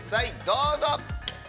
どうぞ。